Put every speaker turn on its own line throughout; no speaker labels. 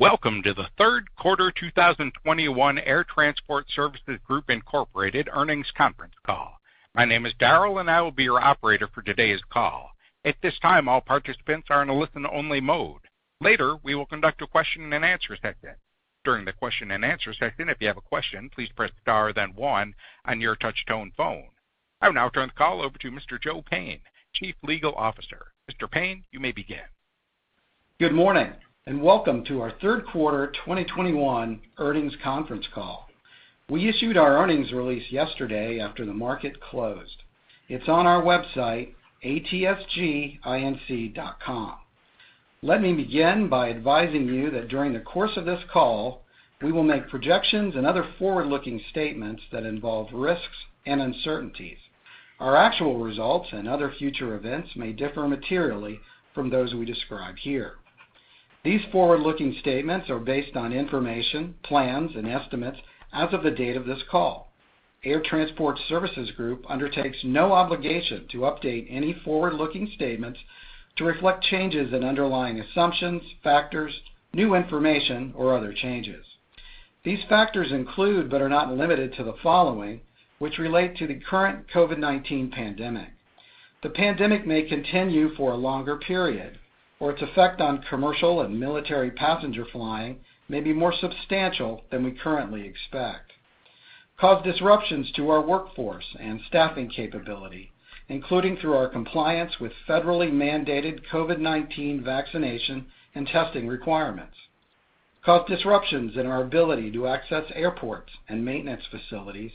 Welcome to the Third Quarter 2021 Air Transport Services Group Incorporated Earnings Conference Call. My name is Daryl, and I will be your operator for today's call. At this time, all participants are in a listen-only mode. Later, we will conduct a question-and-answer session. During the question-and-answer session, if you have a question, please press star then one on your touchtone phone. I will now turn the call over to Mr. Joe Payne, Chief Legal Officer. Mr. Payne, you may begin.
Good morning, and welcome to our third quarter 2021 earnings conference call. We issued our earnings release yesterday after the market closed. It's on our website, atsginc.com. Let me begin by advising you that during the course of this call, we will make projections and other forward-looking statements that involve risks and uncertainties. Our actual results and other future events may differ materially from those we describe here. These forward-looking statements are based on information, plans, and estimates as of the date of this call. Air Transport Services Group undertakes no obligation to update any forward-looking statements to reflect changes in underlying assumptions, factors, new information, or other changes. These factors include, but are not limited to, the following, which relate to the current COVID-19 pandemic. The pandemic may continue for a longer period, or its effect on commercial and military passenger flying may be more substantial than we currently expect, cause disruptions to our workforce and staffing capability, including through our compliance with federally mandated COVID-19 vaccination and testing requirements, cause disruptions in our ability to access airports and maintenance facilities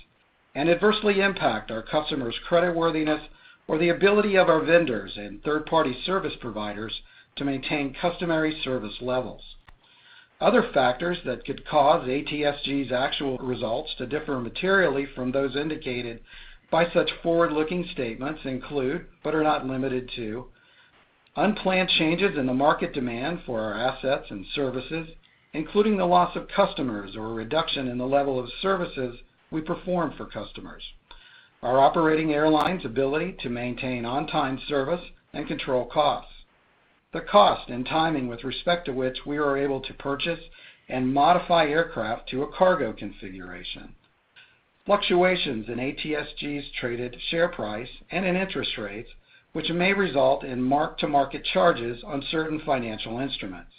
and adversely impact our customers' creditworthiness or the ability of our vendors and third-party service providers to maintain customary service levels. Other factors that could cause ATSG's actual results to differ materially from those indicated by such forward-looking statements include, but are not limited to, unplanned changes in the market demand for our assets and services, including the loss of customers or a reduction in the level of services we perform for customers, our operating airlines' ability to maintain on-time service and control costs. The cost and timing with respect to which we are able to purchase and modify aircraft to a cargo configuration. Fluctuations in ATSG's traded share price and in interest rates, which may result in mark-to-market charges on certain financial instruments.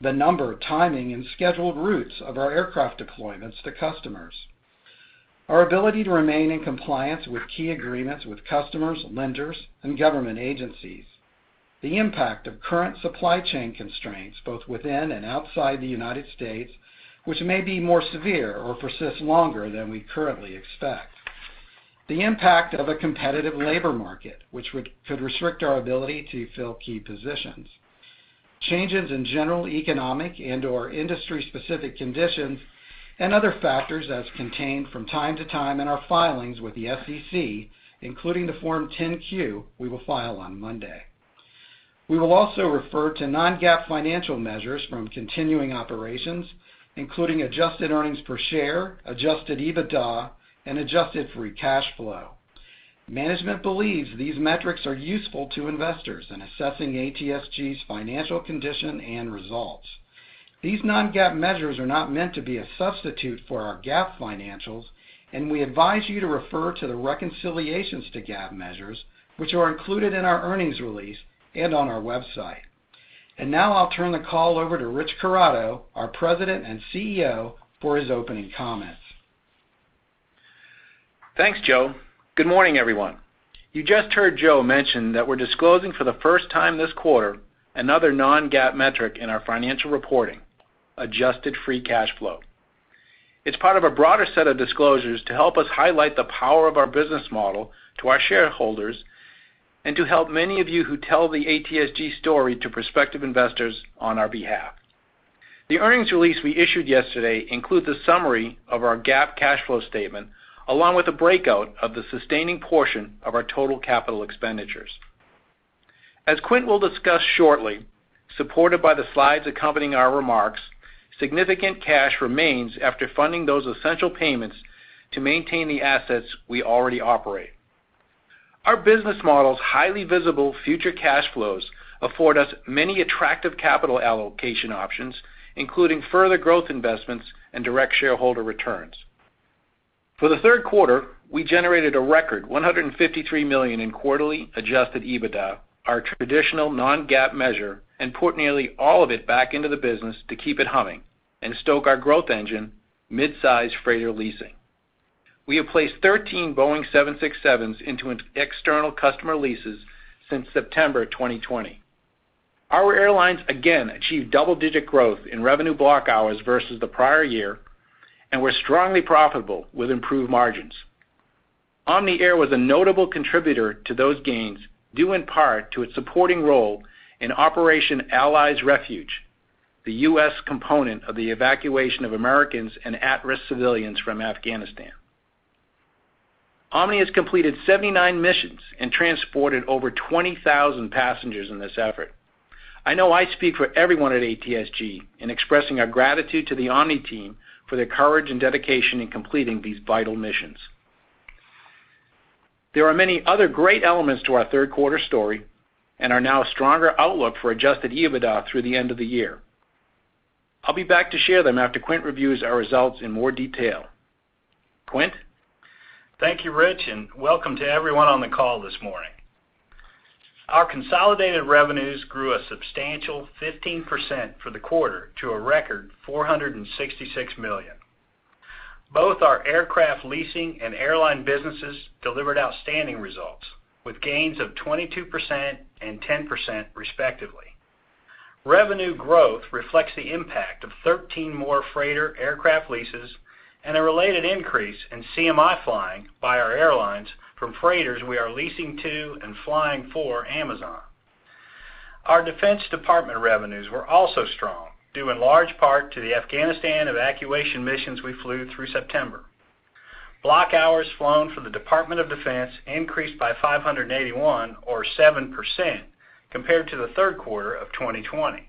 The number, timing, and scheduled routes of our aircraft deployments to customers. Our ability to remain in compliance with key agreements with customers, lenders, and government agencies. The impact of current supply chain constraints, both within and outside the United States, which may be more severe or persist longer than we currently expect. The impact of a competitive labor market, which could restrict our ability to fill key positions. Changes in general economic and/or industry-specific conditions and other factors as contained from time to time in our filings with the SEC, including the Form 10-Q we will file on Monday. We will also refer to non-GAAP financial measures from continuing operations, including adjusted earnings per share, adjusted EBITDA, and adjusted free cash flow. Management believes these metrics are useful to investors in assessing ATSG's financial condition and results. These non-GAAP measures are not meant to be a substitute for our GAAP financials, and we advise you to refer to the reconciliations to GAAP measures, which are included in our earnings release and on our website. Now I'll turn the call over to Rich Corrado, our President and CEO, for his opening comments.
Thanks, Joe. Good morning, everyone. You just heard Joe mention that we're disclosing for the first time this quarter another non-GAAP metric in our financial reporting, adjusted free cash flow. It's part of a broader set of disclosures to help us highlight the power of our business model to our shareholders and to help many of you who tell the ATSG story to prospective investors on our behalf. The earnings release we issued yesterday includes a summary of our GAAP cash flow statement, along with a breakout of the sustaining portion of our total capital expenditures. As Quint will discuss shortly, supported by the slides accompanying our remarks, significant cash remains after funding those essential payments to maintain the assets we already operate. Our business model's highly visible future cash flows afford us many attractive capital allocation options, including further growth investments and direct shareholder returns. For the third quarter, we generated a record $153 million in quarterly adjusted EBITDA, our traditional non-GAAP measure, and put nearly all of it back into the business to keep it humming and stoke our growth engine, midsize freighter leasing. We have placed 13 Boeing 767s into external customer leases since September 2020. Our airlines again achieved double-digit growth in revenue block hours versus the prior year and were strongly profitable with improved margins. Omni Air was a notable contributor to those gains, due in part to its supporting role in Operation Allies Refuge, the U.S. component of the evacuation of Americans and at-risk civilians from Afghanistan. Omni has completed 79 missions and transported over 20,000 passengers in this effort. I know I speak for everyone at ATSG in expressing our gratitude to the Omni team for their courage and dedication in completing these vital missions. There are many other great elements to our third quarter story, and we now have a stronger outlook for adjusted EBITDA through the end of the year. I'll be back to share them after Quint reviews our results in more detail. Quint?
Thank you, Rich, and welcome to everyone on the call this morning. Our consolidated revenues grew a substantial 15% for the quarter to a record $466 million. Both our aircraft leasing and airline businesses delivered outstanding results, with gains of 22% and 10%, respectively. Revenue growth reflects the impact of 13 more freighter aircraft leases and a related increase in CMI flying by our airlines from freighters we are leasing to and flying for Amazon. Our Department of Defense revenues were also strong, due in large part to the Afghanistan evacuation missions we flew through September. Block hours flown for the Department of Defense increased by 581 or 7% compared to the third quarter of 2020.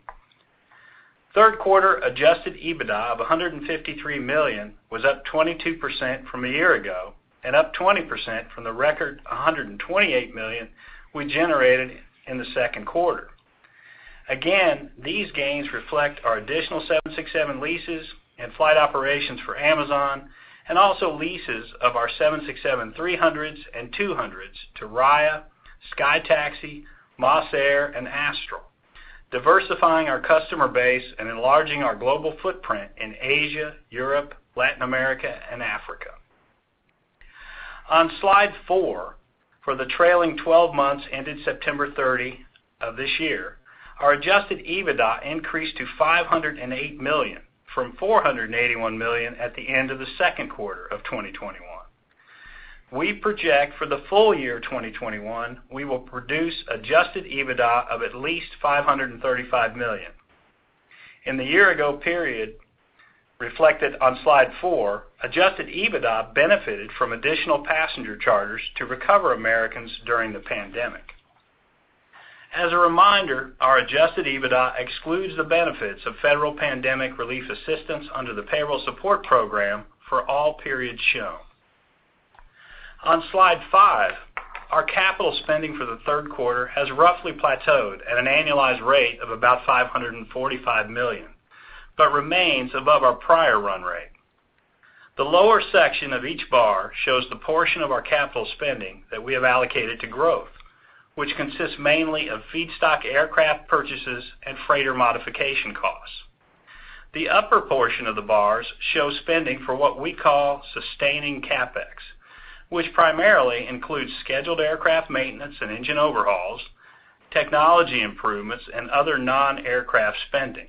Third quarter adjusted EBITDA of $153 million was up 22% from a year ago and up 20% from the record $128 million we generated in the second quarter. Again, these gains reflect our additional 767 leases and flight operations for Amazon and also leases of our 767-300s and 200s to Raya, SkyTaxi, MasAir and Astral, diversifying our customer base and enlarging our global footprint in Asia, Europe, Latin America and Africa. On Slide 4, for the trailing 12 months ended September 30 of this year, our adjusted EBITDA increased to $508 million from $481 million at the end of the second quarter of 2021. We project for the full year 2021, we will produce adjusted EBITDA of at least $535 million. In the year ago period reflected on Slide 4, adjusted EBITDA benefited from additional passenger charters to recover Americans during the pandemic. As a reminder, our adjusted EBITDA excludes the benefits of federal pandemic relief assistance under the Payroll Support Program for all periods shown. On Slide 5, our capital spending for the third quarter has roughly plateaued at an annualized rate of about $545 million, but remains above our prior run rate. The lower section of each bar shows the portion of our capital spending that we have allocated to growth, which consists mainly of feedstock aircraft purchases and freighter modification costs. The upper portion of the bars show spending for what we call sustaining CapEx, which primarily includes scheduled aircraft maintenance and engine overhauls, technology improvements and other non-aircraft spending.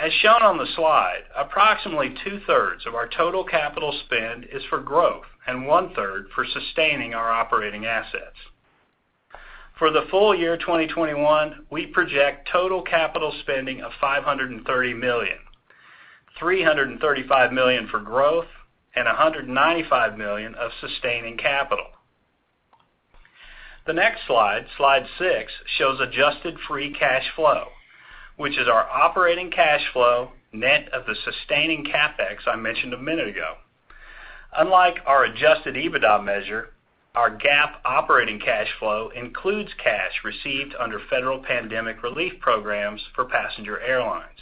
As shown on the slide, approximately 2/3 of our total capital spend is for growth and 1/3 for sustaining our operating assets. For the full year 2021, we project total capital spending of $530 million, $335 million for growth and $195 million of sustaining capital. The next slide, Slide 6, shows adjusted free cash flow, which is our operating cash flow net of the sustaining CapEx I mentioned a minute ago. Unlike our adjusted EBITDA measure, our GAAP operating cash flow includes cash received under federal pandemic relief programs for passenger airlines.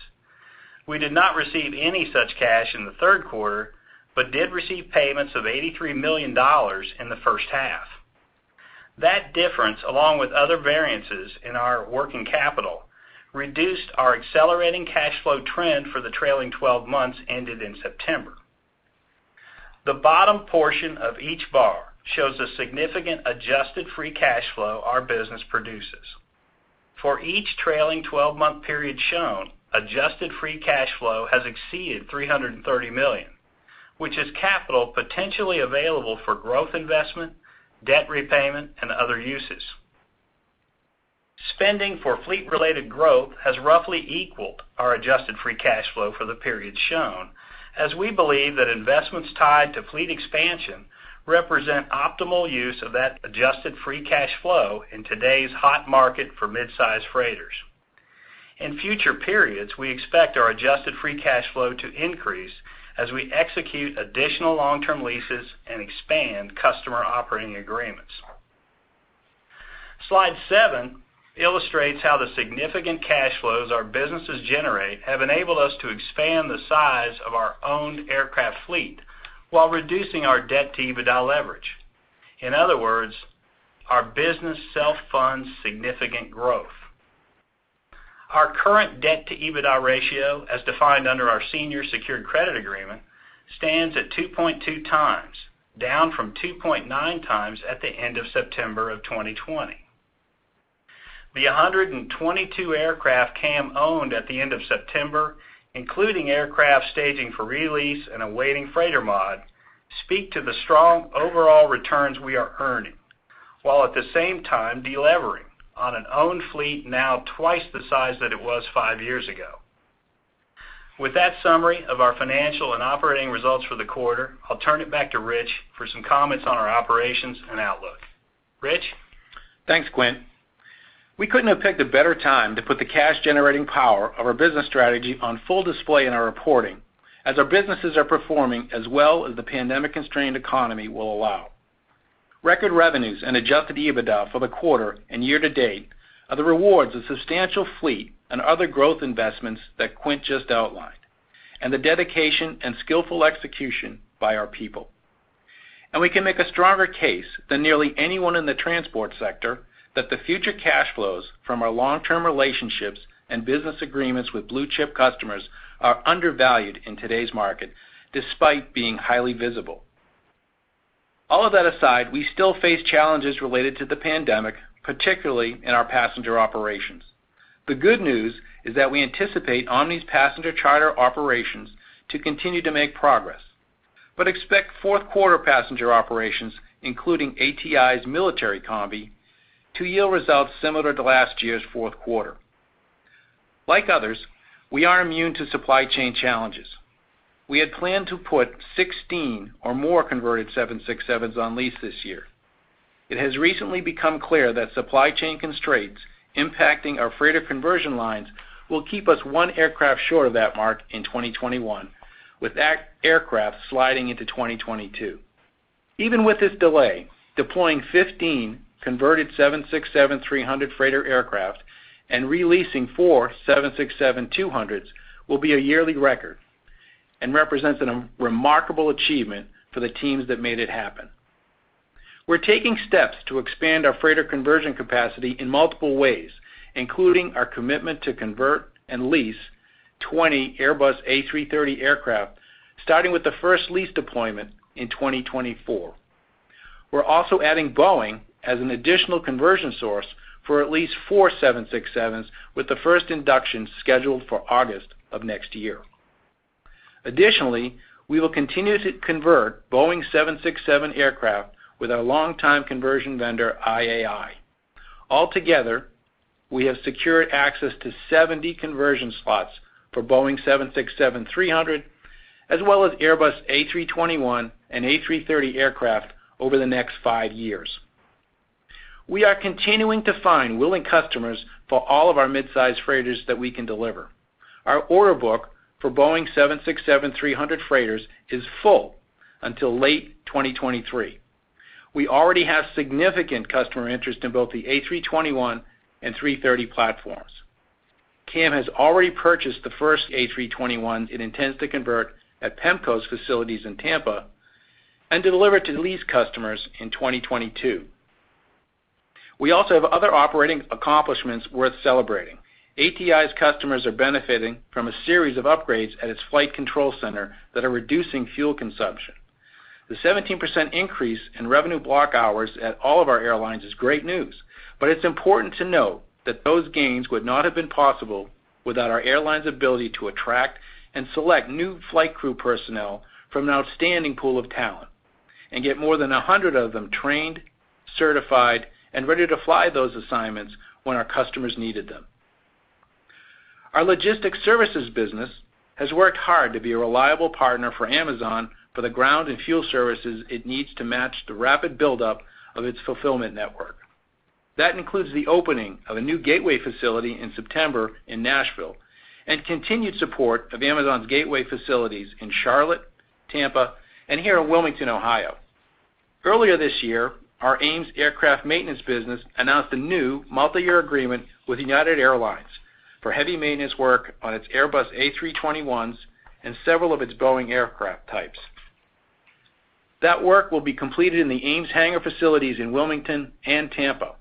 We did not receive any such cash in the third quarter, but did receive payments of $83 million in the first half. That difference, along with other variances in our working capital, reduced our operating cash flow trend for the trailing 12 months ended in September. The bottom portion of each bar shows a significant adjusted free cash flow our business produces. For each trailing 12-month period shown, adjusted free cash flow has exceeded $330 million, which is capital potentially available for growth investment, debt repayment and other uses. Spending for fleet-related growth has roughly equaled our adjusted free cash flow for the period shown, as we believe that investments tied to fleet expansion represent optimal use of that adjusted free cash flow in today's hot market for midsize freighters. In future periods, we expect our adjusted free cash flow to increase as we execute additional long-term leases and expand customer operating agreements. Slide 7 illustrates how the significant cash flows our businesses generate have enabled us to expand the size of our owned aircraft fleet while reducing our debt to EBITDA leverage. In other words, our business self-funds significant growth. Our current debt to EBITDA ratio, as defined under our senior secured credit agreement, stands at 2.2x, down from 2.9x at the end of September of 2020. The 122 aircraft CAM owned at the end of September, including aircraft staging for re-lease and awaiting freighter mod, speak to the strong overall returns we are earning, while at the same time delevering on an owned fleet now twice the size that it was five years ago. With that summary of our financial and operating results for the quarter, I'll turn it back to Rich for some comments on our operations and outlook. Rich?
Thanks, Quint. We couldn't have picked a better time to put the cash-generating power of our business strategy on full display in our reporting as our businesses are performing as well as the pandemic-constrained economy will allow. Record revenues and adjusted EBITDA for the quarter and year-to-date are the rewards of substantial fleet and other growth investments that Quint just outlined, and the dedication and skillful execution by our people. We can make a stronger case than nearly anyone in the transport sector that the future cash flows from our long-term relationships and business agreements with blue-chip customers are undervalued in today's market despite being highly visible. All of that aside, we still face challenges related to the pandemic, particularly in our passenger operations. The good news is that we anticipate Omni's passenger charter operations to continue to make progress, but expect fourth quarter passenger operations, including ATI's military Combi, to yield results similar to last year's fourth quarter. Like others, we aren't immune to supply chain challenges. We had planned to put 16 or more converted 767s on lease this year. It has recently become clear that supply chain constraints impacting our freighter conversion lines will keep us one aircraft short of that mark in 2021, with that aircraft sliding into 2022. Even with this delay, deploying 15 converted 767-300 freighter aircraft and re-leasing four 767-200s will be a yearly record and represents a remarkable achievement for the teams that made it happen. We're taking steps to expand our freighter conversion capacity in multiple ways, including our commitment to convert and lease 20 Airbus A330 aircraft, starting with the first lease deployment in 2024. We're also adding Boeing as an additional conversion source for at least four 767s, with the first induction scheduled for August of next year. Additionally, we will continue to convert Boeing 767 aircraft with our longtime conversion vendor, IAI. Altogether, we have secured access to 70 conversion slots for Boeing 767-300, as well as Airbus A321 and A330 aircraft over the next five years. We are continuing to find willing customers for all of our midsize freighters that we can deliver. Our order book for Boeing 767-300 freighters is full until late 2023. We already have significant customer interest in both the A321 and 330 platforms. CAM has already purchased the first A321 it intends to convert at PEMCO's facilities in Tampa and deliver to lease customers in 2022. We also have other operating accomplishments worth celebrating. ATI's customers are benefiting from a series of upgrades at its flight control center that are reducing fuel consumption. The 17% increase in revenue block hours at all of our airlines is great news, but it's important to note that those gains would not have been possible without our airlines' ability to attract and select new flight crew personnel from an outstanding pool of talent and get more than 100 of them trained, certified, and ready to fly those assignments when our customers needed them. Our logistics services business has worked hard to be a reliable partner for Amazon for the ground and fuel services it needs to match the rapid buildup of its fulfillment network. That includes the opening of a new gateway facility in September in Nashville and continued support of Amazon's gateway facilities in Charlotte, Tampa, and here in Wilmington, Ohio. Earlier this year, our AMES Aircraft Maintenance business announced a new multi-year agreement with United Airlines for heavy maintenance work on its Airbus A321s and several of its Boeing aircraft types. That work will be completed in the AMES hangar facilities in Wilmington and Tampa.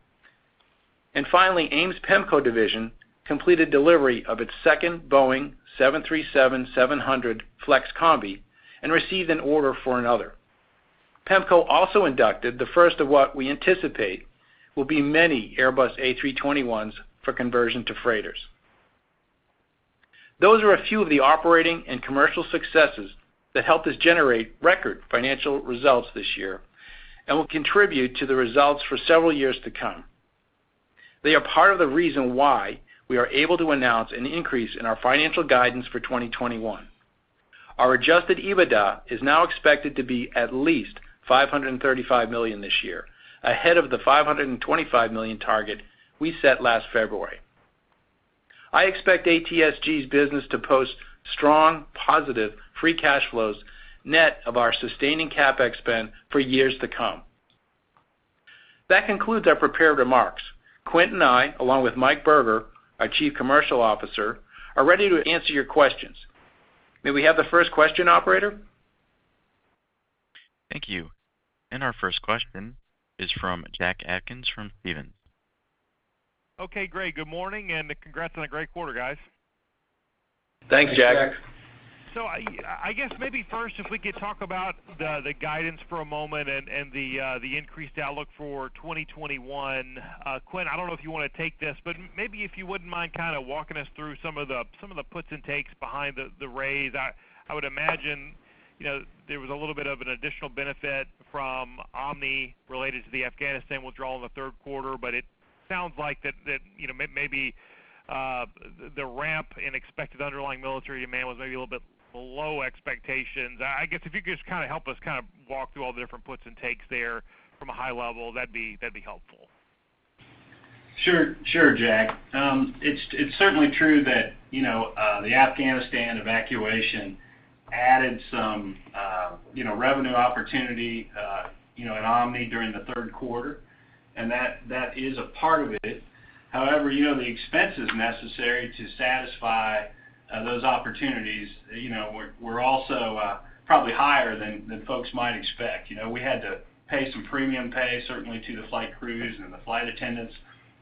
Finally, AMES PEMCO division completed delivery of its second Boeing 737-700 FlexCombi and received an order for another. PEMCO also inducted the first of what we anticipate will be many Airbus A321s for conversion to freighters. Those are a few of the operating and commercial successes that helped us generate record financial results this year and will contribute to the results for several years to come. They are part of the reason why we are able to announce an increase in our financial guidance for 2021. Our adjusted EBITDA is now expected to be at least $535 million this year, ahead of the $525 million target we set last February. I expect ATSG's business to post strong, positive free cash flows net of our sustaining CapEx spend for years to come. That concludes our prepared remarks. Quint and I, along with Mike Berger, our Chief Commercial Officer, are ready to answer your questions. May we have the first question, operator?
Thank you. Our first question is from Jack Atkins from Stephens.
Okay, great. Good morning, and congrats on a great quarter, guys.
Thanks[crostalk], Jack.
I guess maybe first, if we could talk about the guidance for a moment and the increased outlook for 2021. Quint, I don't know if you want to take this, but maybe if you wouldn't mind kind of walking us through some of the puts and takes behind the raise. I would imagine, you know, there was a little bit of an additional benefit from Omni related to the Afghanistan withdrawal in the third quarter, but it sounds like that, you know, maybe the ramp in expected underlying military demand was maybe a little bit below expectations. I guess if you could just kind of help us kind of walk through all the different puts and takes there from a high level, that'd be helpful.
Sure, Jack. It's certainly true that, you know, the Afghanistan evacuation added some, you know, revenue opportunity, you know, at Omni during the third quarter, and that is a part of it. However, you know, the expenses necessary to satisfy those opportunities, you know, were also probably higher than folks might expect. You know, we had to pay some premium pay certainly to the flight crews and the flight attendants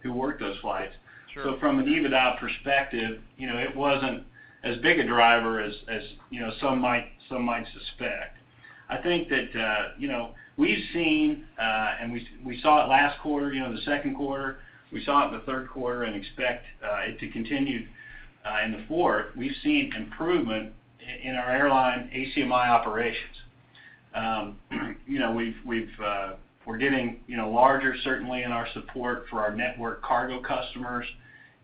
who worked those flights.
Sure.
From an EBITDA perspective, you know, it wasn't as big a driver as you know, some might suspect. I think that you know, we've seen and we saw it last quarter, you know, in the second quarter, we saw it in the third quarter and expect it to continue in the fourth. We've seen improvement in our airline ACMI operations. You know, we're getting you know, larger certainly in our support for our network cargo customers.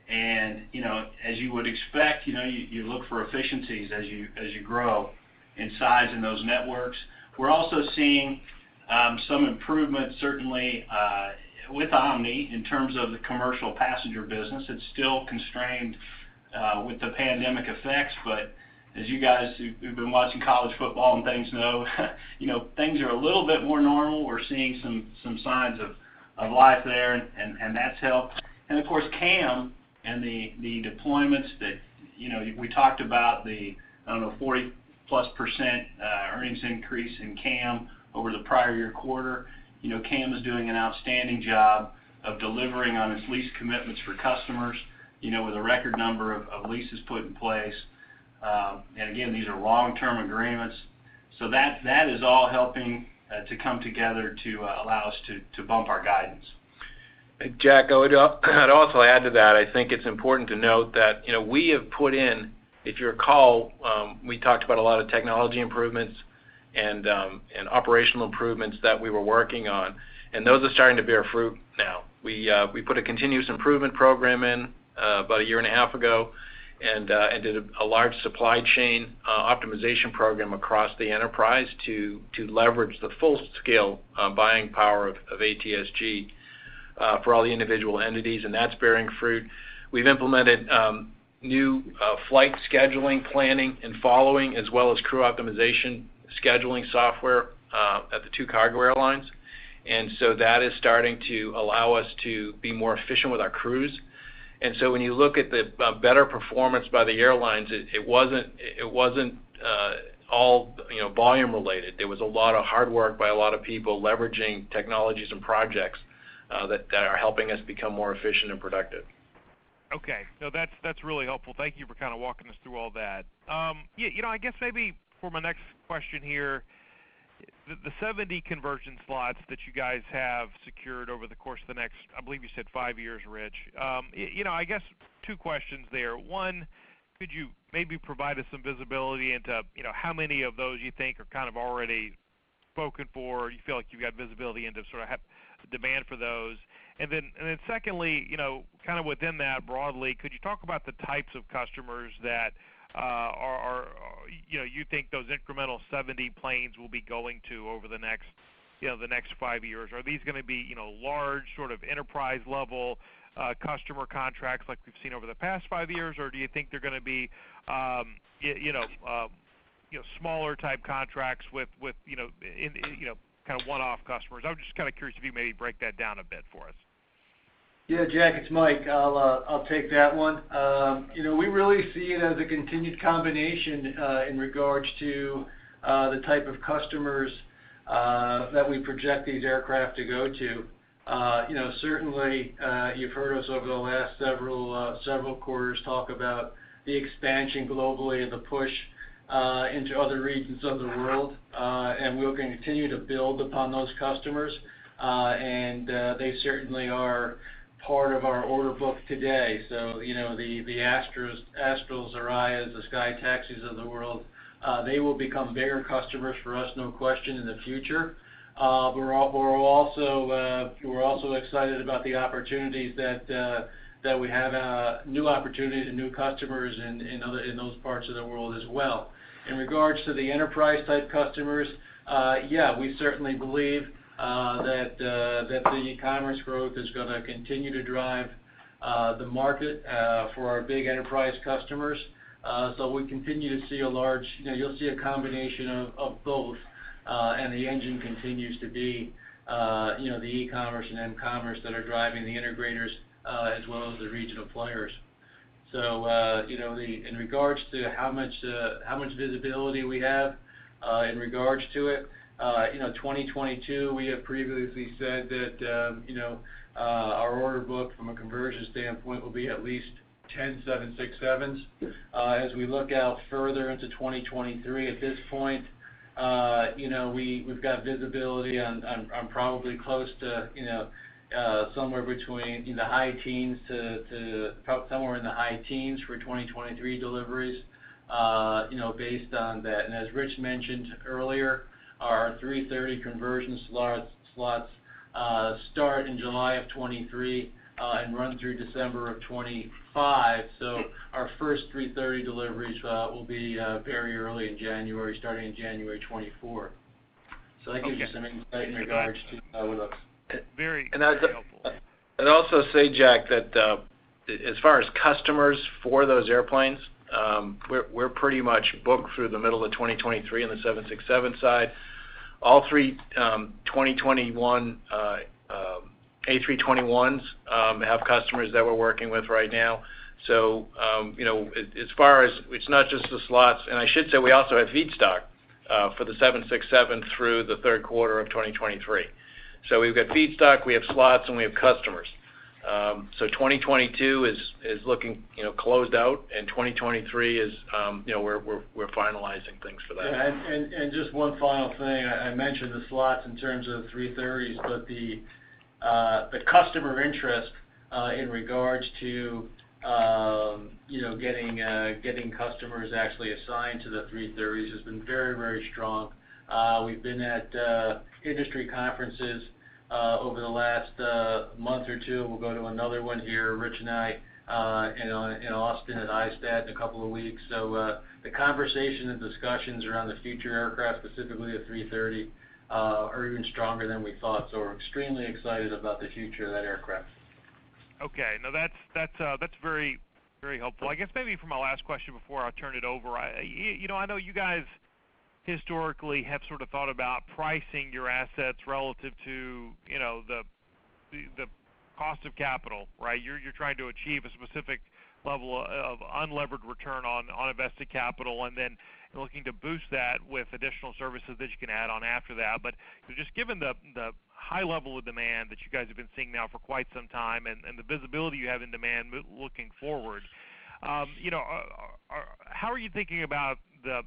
You know, as you would expect, you know, you look for efficiencies as you grow in size in those networks. We're also seeing some improvement certainly with Omni in terms of the commercial passenger business. It's still constrained with the pandemic effects. As you guys who've been watching college football and things know, you know, things are a little bit more normal. We're seeing some signs of life there and that's helped. Of course, CAM and the deployments that, you know, we talked about the I don't know 40%+ earnings increase in CAM over the prior year quarter. You know, CAM is doing an outstanding job of delivering on its lease commitments for customers, you know, with a record number of leases put in place. And again, these are long-term agreements. That is all helping to come together to allow us to bump our guidance.
Jack, I would, I'd also add to that. I think it's important to note that, you know, we have put in. If you recall, we talked about a lot of technology improvements and operational improvements that we were working on, and those are starting to bear fruit now. We put a continuous improvement program in about a year and a half ago and did a large supply chain optimization program across the enterprise to leverage the full scale buying power of ATSG for all the individual entities, and that's bearing fruit. We've implemented new flight scheduling, planning, and following, as well as crew optimization scheduling software at the two cargo airlines. That is starting to allow us to be more efficient with our crews. When you look at the better performance by the airlines, it wasn't all, you know, volume related. There was a lot of hard work by a lot of people leveraging technologies and projects that are helping us become more efficient and productive.
Okay. No, that's really helpful. Thank you for kind of walking us through all that. Yeah, you know, I guess maybe for my next question here, the 70 conversion slots that you guys have secured over the course of the next, I believe you said 5 years, Rich. You know, I guess two questions there. One, could you maybe provide us some visibility into, you know, how many of those you think are kind of already spoken for, or you feel like you've got visibility into sort of the demand for those? And then secondly, you know, kind of within that broadly, could you talk about the types of customers that are, you know, you think those incremental 70 planes will be going to over the next, you know, the next 5 years? Are these gonna be, you know, large sort of enterprise-level customer contracts like we've seen over the past five years? Or do you think they're gonna be, you know, smaller type contracts with you know in you know kind of one-off customers? I'm just kind of curious if you maybe break that down a bit for us?
Yeah, Jack, it's Mike. I'll take that one. You know, we really see it as a continued combination in regards to the type of customers that we project these aircraft to go to. You know, certainly, you've heard us over the last several quarters talk about the expansion globally and the push into other regions of the world, and we're gonna continue to build upon those customers, and they certainly are part of our order book today. You know, the Astral, Raya, the SkyTaxi of the world, they will become bigger customers for us, no question, in the future. We're also excited about the opportunities that we have new opportunities and new customers in those parts of the world as well. In regards to the enterprise-type customers, yeah, we certainly believe that the e-commerce growth is gonna continue to drive the market for our big enterprise customers. You know, you'll see a combination of both, and the engine continues to be, you know, the e-commerce and m-commerce that are driving the integrators as well as the regional players. In regards to how much visibility we have in regards to it, you know, 2022, we have previously said that, you know, our order book from a conversion standpoint will be at least 10 767s. As we look out further into 2023, at this point, you know, we've got visibility on probably close to, you know, somewhere in the high teens for 2023 deliveries, you know, based on that. As Rich mentioned earlier, our A330 conversion slots start in July 2023 and run through December 2025. Our first A330 deliveries will be very early in January, starting in January 2024.
Okay.
That gives you some insight in regards to how it looks.
Very helpful.
I'd also say, Jack, that as far as customers for those airplanes, we're pretty much booked through the middle of 2023 on the 767 side. All three 2021 A321s have customers that we're working with right now. You know, as far as it's not just the slots. I should say we also have feedstock for the 767 through the third quarter of 2023. We've got feedstock, we have slots, and we have customers. 2022 is looking, you know, closed out, and 2023 is, you know, we're finalizing things for that.
Just one final thing. I mentioned the slots in terms of 330s, but the customer interest in regards to you know, getting customers actually assigned to the 330s has been very, very strong. We've been at industry conferences over the last month or two. We'll go to another one here, Rich and I, in Austin at ISTAT in a couple of weeks. The conversation and discussions around the future aircraft, specifically the 330, are even stronger than we thought. We're extremely excited about the future of that aircraft.
Okay. No, that's very, very helpful. I guess maybe for my last question before I turn it over, you know, I know you guys historically have sort of thought about pricing your assets relative to, you know, the cost of capital, right? You're trying to achieve a specific level of unlevered return on invested capital and then looking to boost that with additional services that you can add on after that. Just given the high level of demand that you guys have been seeing now for quite some time and the visibility you have in demand moving forward, you know, how are you thinking about the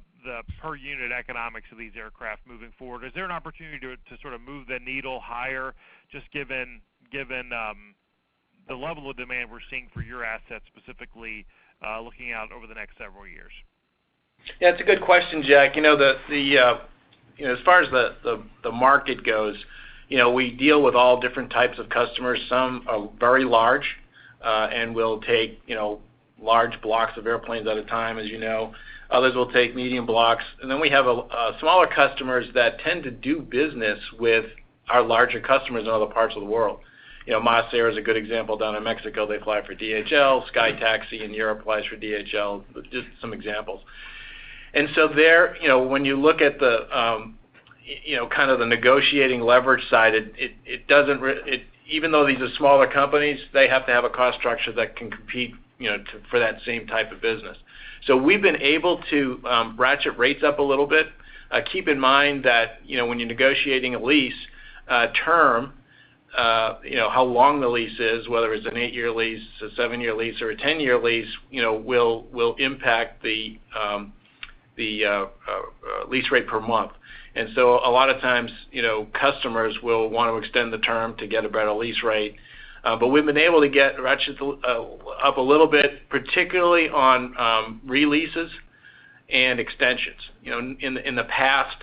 per unit economics of these aircraft moving forward? Is there an opportunity to sort of move the needle higher just given the level of demand we're seeing for your assets, specifically, looking out over the next several years?
Yeah, it's a good question, Jack. You know, as far as the market goes, you know, we deal with all different types of customers. Some are very large, and will take, you know, large blocks of airplanes at a time, as you know. Others will take medium blocks. We have smaller customers that tend to do business with our larger customers in other parts of the world. You know, MasAir is a good example. Down in Mexico, they fly for DHL. SkyTaxi in Europe flies for DHL. Just some examples. Even though these are smaller companies, they have to have a cost structure that can compete, you know, to, for that same type of business. We've been able to ratchet rates up a little bit. Keep in mind that, you know, when you're negotiating a lease term, you know, how long the lease is, whether it's a 8-year lease, a 7-year lease, or a 10-year lease, you know, will impact the lease rate per month. A lot of times, you know, customers will want to extend the term to get a better lease rate. We've been able to get ratchets up a little bit, particularly on re-leases and extensions. You know, in the past,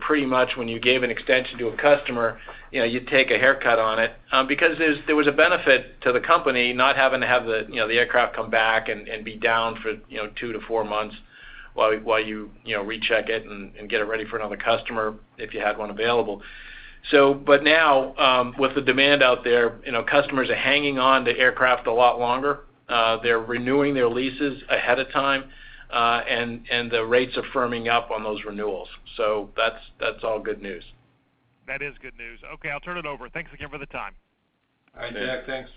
pretty much when you gave an extension to a customer, you'd take a haircut on it, because there was a benefit to the company not having to have the aircraft come back and be down for 2-4 months while you recheck it and get it ready for another customer if you had one available. Now, with the demand out there, you know, customers are hanging on to aircraft a lot longer. They're renewing their leases ahead of time, and the rates are firming up on those renewals. That's all good news.
That is good news. Okay, I'll turn it over. Thanks again for the time.
All right, Jack, thanks.
Thanks.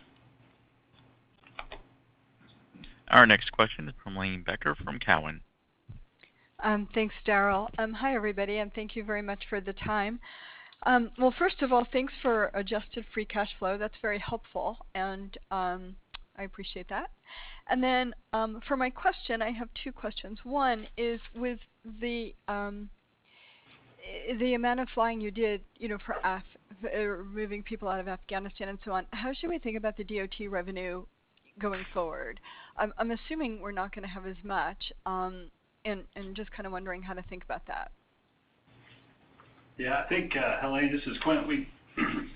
Our next question is from Helane Becker from Cowen.
Thanks, Darryl. Hi, everybody, and thank you very much for the time. Well, first of all, thanks for adjusted free cash flow. That's very helpful, and I appreciate that. For my question, I have two questions. One is, with the amount of flying you did, you know, for removing people out of Afghanistan and so on, how should we think about the DoD revenue going forward? I'm assuming we're not gonna have as much, and just kind of wondering how to think about that.
Yeah, I think, Helane, this is Quint.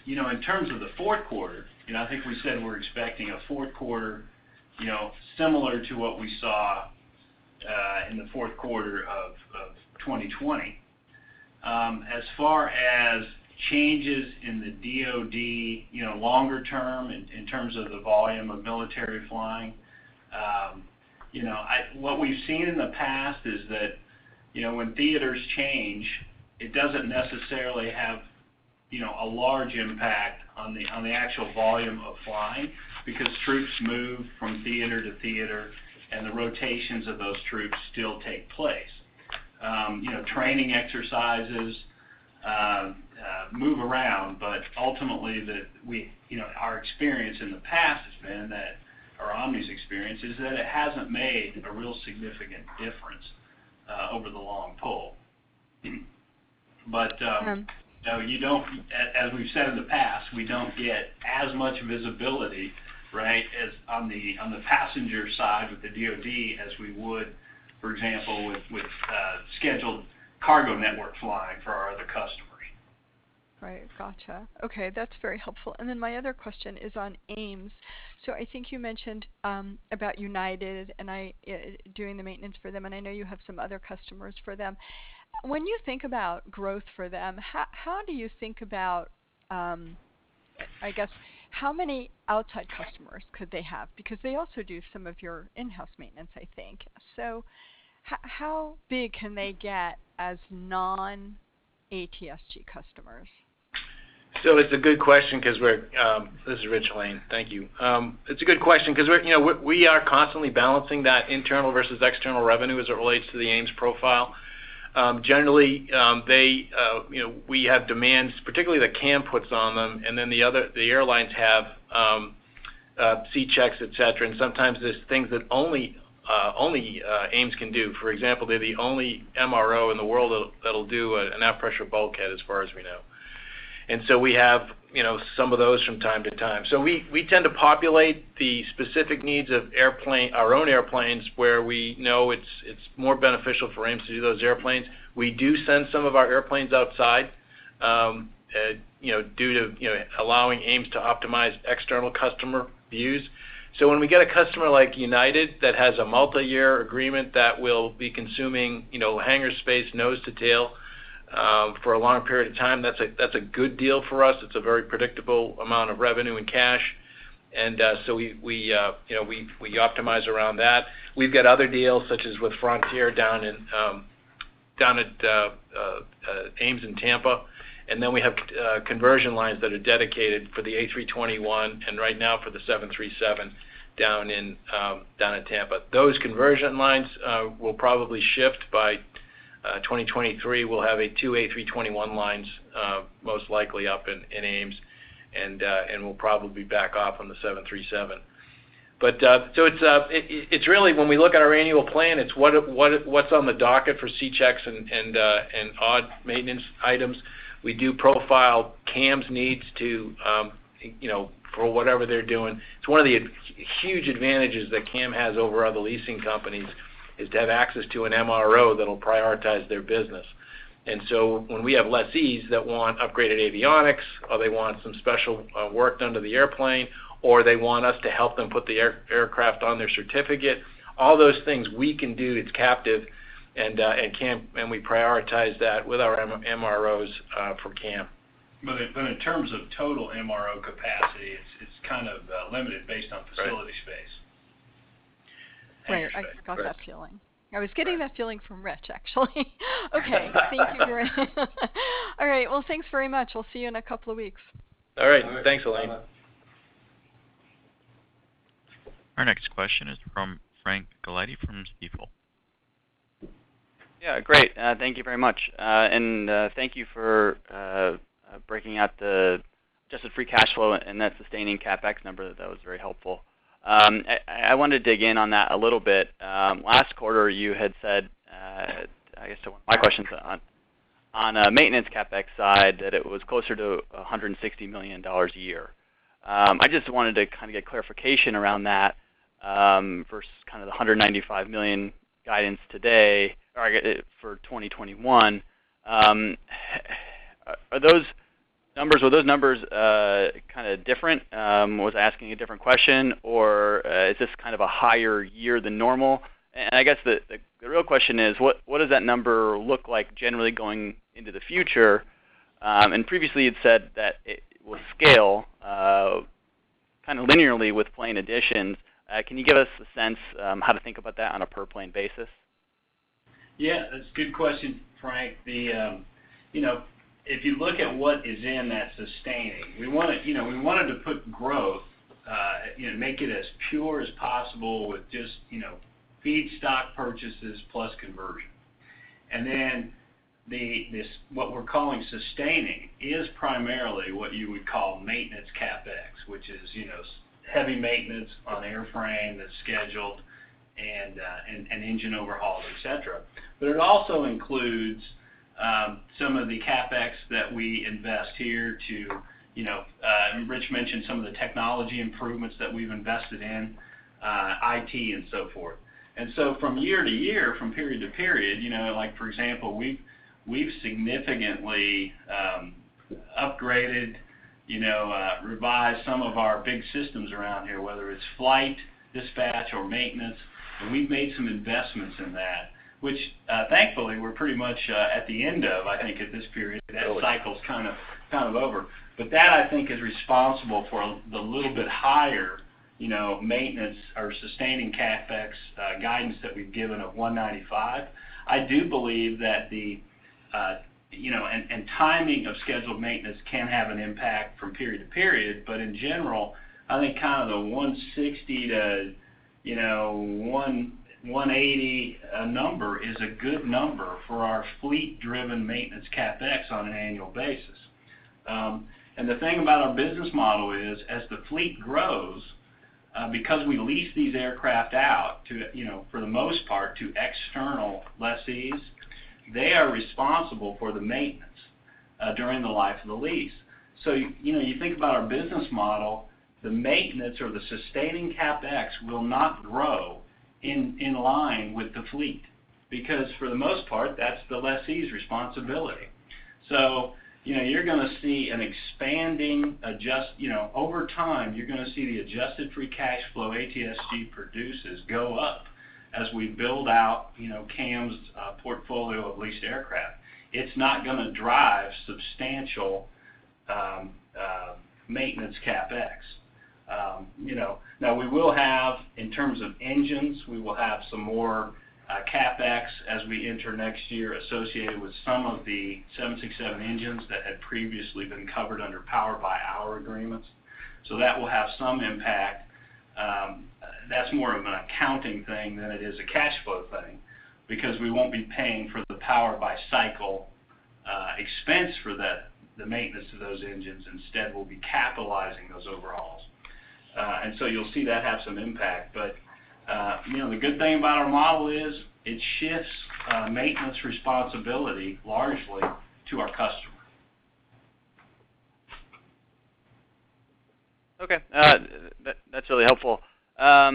You know, in terms of the fourth quarter, you know, I think we said we're expecting a fourth quarter, you know, similar to what we saw in the fourth quarter of 2020. As far as changes in the DoD, you know, longer term in terms of the volume of military flying, you know, what we've seen in the past is that, you know, when theaters change, it doesn't necessarily have a large impact on the actual volume of flying because troops move from theater to theater, and the rotations of those troops still take place. You know, training exercises move around, but ultimately, we you know, our experience in the past has been that, or Omni's experience is that it hasn't made a real significant difference over the long haul.
Okay.
You know, you don't, as we've said in the past, we don't get as much visibility, right, as on the passenger side with the DoD as we would. For example, with scheduled cargo network flying for our other customers.
Right. Got you. Okay, that's very helpful. My other question is on AMES. I think you mentioned about United and we doing the maintenance for them, and I know you have some other customers for them. When you think about growth for them, how do you think about, I guess, how many outside customers could they have? Because they also do some of your in-house maintenance, I think. How big can they get as non-ATSG customers?
It's a good question 'cause we're. This is Rich. Thank you. It's a good question 'cause we're, you know, we are constantly balancing that internal versus external revenue as it relates to the AMES profile. Generally, they, you know, we have demands, particularly the CAM puts on them, and then the other airlines have C checks, et cetera, and sometimes there's things that only AMES can do. For example, they're the only MRO in the world that'll do an outer pressure bulkhead as far as we know. We have, you know, some of those from time to time. We tend to populate the specific needs of our own airplanes, where we know it's more beneficial for AMES to do those airplanes. We do send some of our airplanes outside, you know, due to, you know, allowing AMES to optimize external customer views. When we get a customer like United that has a multi-year agreement that will be consuming, you know, hangar space nose to tail, for a long period of time, that's a good deal for us. It's a very predictable amount of revenue and cash. We optimize around that. We've got other deals, such as with Frontier down at AMES in Tampa, and then we have conversion lines that are dedicated for the A321 and right now for the 737 down in Tampa. Those conversion lines will probably shift by 2023. We'll have two A321 lines, most likely up in AMES, and we'll probably back off on the 737. It's really when we look at our annual plan, it's what's on the docket for C checks and odd maintenance items. We do profile CAM's needs, you know, for whatever they're doing. It's one of the huge advantages that CAM has over other leasing companies is to have access to an MRO that'll prioritize their business. When we have lessees that want upgraded avionics or they want some special work done to the airplane, or they want us to help them put the aircraft on their certificate, all those things we can do, it's captive and CAM and we prioritize that with our MROs for CAM.
In terms of total MRO capacity, it's kind of limited based on facility space.
Right.
hangar space.
I got that feeling. I was getting that feeling from Rich, actually. Okay. Thank you, Quint. All right. Well, thanks very much. We'll see you in a couple of weeks.
All right. Thanks, Helane.
All right. Bye-bye.
Our next question is from Frank Galanti from Stifel.
Yeah. Great. Thank you very much. Thank you for breaking out just the free cash flow and net sustaining CapEx number. That was very helpful. I want to dig in on that a little bit. Last quarter, you had said, I guess my question's on maintenance CapEx side, that it was closer to $160 million a year. I just wanted to kind of get clarification around that, versus kind of the $195 million guidance today or for 2021. Are those numbers different? Were those numbers kind of different? Was asking a different question or is this kind of a higher year than normal? I guess the real question is, what does that number look like generally going into the future? Previously you'd said that it will scale kind of linearly with plane additions. Can you give us a sense how to think about that on a per plane basis?
Yeah, that's a good question, Frank. The you know if you look at what is in that sustaining, we wanted you know to put growth you know make it as pure as possible with just you know feedstock purchases plus conversion. This what we're calling sustaining is primarily what you would call maintenance CapEx, which is you know heavy maintenance on airframe that's scheduled and engine overhauls, et cetera. It also includes some of the CapEx that we invest here to you know and Rich mentioned some of the technology improvements that we've invested in IT and so forth. From year to year, from period to period, you know, like for example, we've significantly upgraded, you know, revised some of our big systems around here, whether it's flight, dispatch or maintenance, and we've made some investments in that, which thankfully we're pretty much at the end of. I think at this period, that cycle's kind of over. That I think is responsible for the little bit higher, you know, maintenance or sustaining CapEx guidance that we've given of $195. I do believe that the timing of scheduled maintenance can have an impact from period to period, but in general, I think kind of the 160 to, you know, 180 number is a good number for our fleet-driven maintenance CapEx on an annual basis. The thing about our business model is as the fleet grows, because we lease these aircraft out to, you know, for the most part, to external lessees, they are responsible for the maintenance during the life of the lease. You know, you think about our business model, the maintenance or the sustaining CapEx will not grow in line with the fleet because for the most part, that's the lessee's responsibility. You know, over time, you're gonna see the adjusted free cash flow ATSG produces go up as we build out, you know, CAM's portfolio of leased aircraft. It's not gonna drive substantial maintenance CapEx. You know, now we will have... In terms of engines, we will have some more CapEx as we enter next year associated with some of the 767 engines that had previously been covered under power by the hour agreements. That will have some impact. That's more of an accounting thing than it is a cash flow thing because we won't be paying for the power-by-cycle expense for the maintenance of those engines. Instead, we'll be capitalizing those overhauls. You'll see that have some impact. You know, the good thing about our model is it shifts maintenance responsibility largely to our customer.
Okay. That's really helpful. I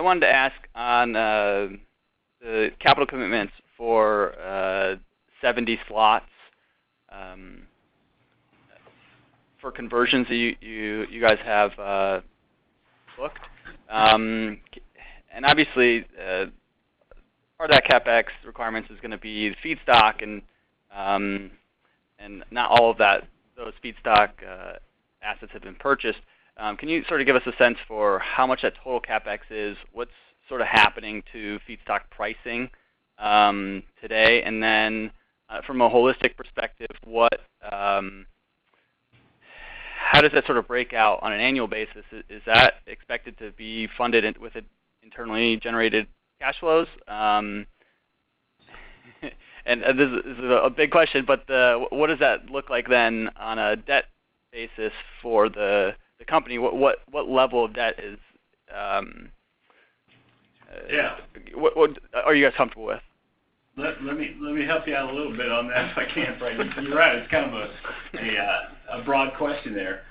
wanted to ask on the capital commitments for 70 slots for conversions you guys have booked. Obviously, part of that CapEx requirements is gonna be feedstock and not all of those feedstock assets have been purchased. Can you sort of give us a sense for how much that total CapEx is? What's sort of happening to feedstock pricing today? From a holistic perspective, how does that sort of break out on an annual basis? Is that expected to be funded with internally generated cash flows? This is a big question, but what does that look like then on a debt basis for the company? What level of debt is
Yeah.
What are you guys comfortable with?
Let me help you out a little bit on that if I can, Frank. You're right. It's kind of a broad question there.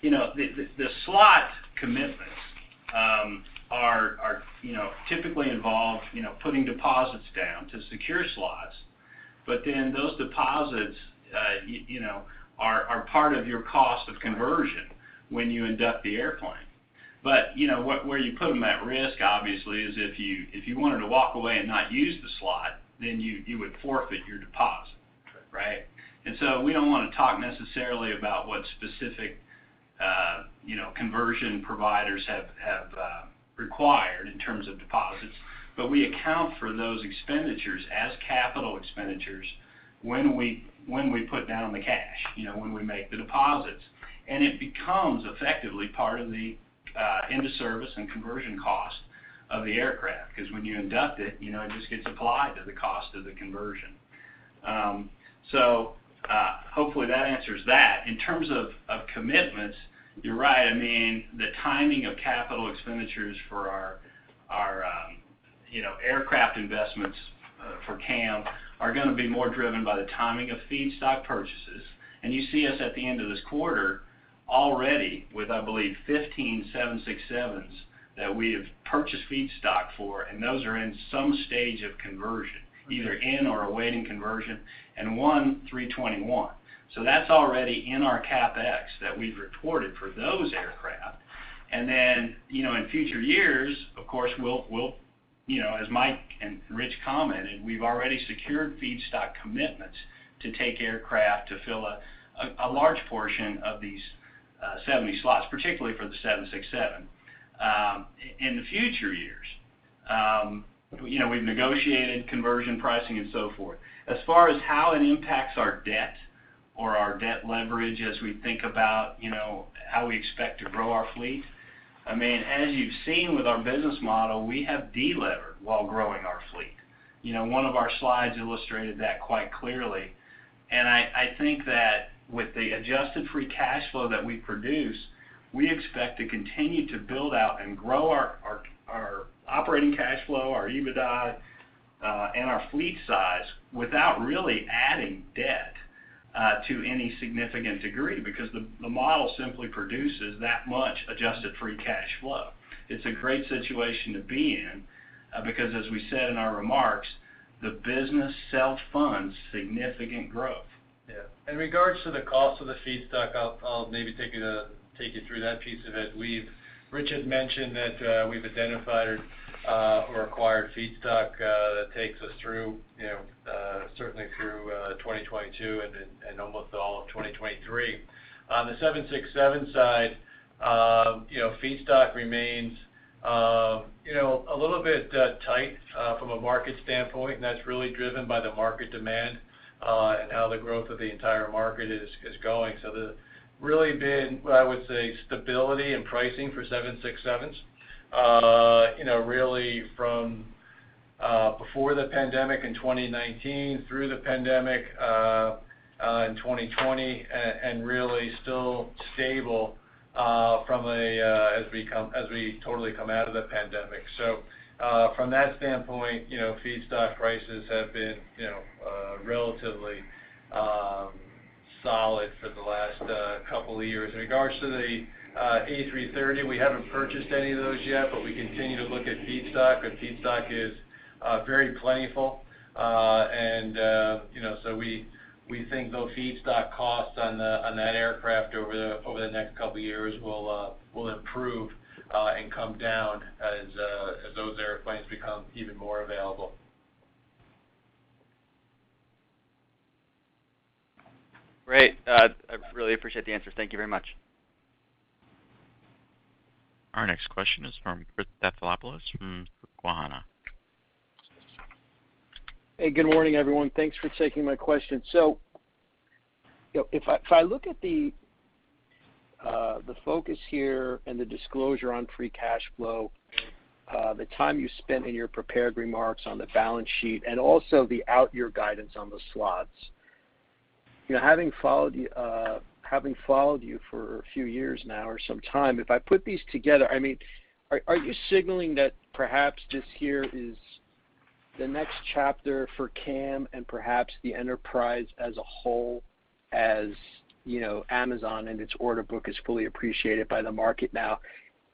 You know, the slot commitments are you know, typically involved you know, putting deposits down to secure slots. Then those deposits you know, are part of your cost of conversion when you induct the airplane. You know, where you put them at risk, obviously, is if you wanted to walk away and not use the slot, then you would forfeit your deposit. Right? We don't wanna talk necessarily about what specific, you know, conversion providers have required in terms of deposits, but we account for those expenditures as capital expenditures when we put down the cash, you know, when we make the deposits. It becomes effectively part of the into service and conversion cost of the aircraft because when you induct it, you know, it just gets applied to the cost of the conversion. Hopefully, that answers that. In terms of commitments, you're right. I mean, the timing of capital expenditures for our, you know, aircraft investments for CAM are gonna be more driven by the timing of feedstock purchases. You see us at the end of this quarter already with, I believe, 15 767s that we have purchased feedstock for, and those are in some stage of conversion, either in or awaiting conversion, and one A321. That's already in our CapEx that we've reported for those aircraft. You know, in future years, of course, we'll, you know, as Mike and Rich commented, we've already secured feedstock commitments to take aircraft to fill a large portion of these 70 slots, particularly for the 767. In the future years, you know, we've negotiated conversion pricing and so forth. As far as how it impacts our debt or our debt leverage as we think about, you know, how we expect to grow our fleet, I mean, as you've seen with our business model, we have delevered while growing our fleet. You know, one of our slides illustrated that quite clearly. I think that with the adjusted free cash flow that we produce, we expect to continue to build out and grow our operating cash flow, our EBITDA, and our fleet size without really adding debt to any significant degree because the model simply produces that much adjusted free cash flow. It's a great situation to be in, because as we said in our remarks, the business self-funds significant growth.
Yeah. In regards to the cost of the feedstock, I'll maybe take you through that piece of it. Rich had mentioned that we've identified or acquired feedstock that takes us through, you know, certainly through 2022 and almost all of 2023. On the 767 side, you know, feedstock remains, you know, a little bit tight from a market standpoint, and that's really driven by the market demand and how the growth of the entire market is going. There's really been, what I would say, stability in pricing for 767s, you know, really from before the pandemic in 2019 through the pandemic. In 2020 and really still stable from a standpoint as we totally come out of the pandemic. From that standpoint, you know, feedstock prices have been, you know, relatively solid for the last couple of years. In regards to the A330, we haven't purchased any of those yet, but we continue to look at feedstock, and feedstock is very plentiful. And you know, we think those feedstock costs on that aircraft over the next couple of years will improve and come down as those airplanes become even more available.
Great. I really appreciate the answers. Thank you very much.
Our next question is from Chris Stathoulopoulos from Susquehanna.
Hey, good morning, everyone. Thanks for taking my question. If I look at the focus here and the disclosure on free cash flow, the time you spent in your prepared remarks on the balance sheet and also the out year guidance on the slots. You know, having followed you for a few years now or some time, if I put these together, I mean, are you signaling that perhaps this here is the next chapter for CAM and perhaps the enterprise as a whole, as you know, Amazon and its order book is fully appreciated by the market now.